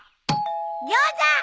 ギョーザ！